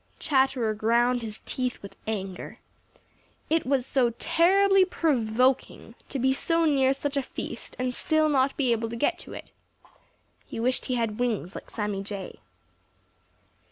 Chatterer ground his teeth with anger. It was so terribly provoking to be so near such a feast and still not be able to get to it. He wished he had wings like Sammy Jay.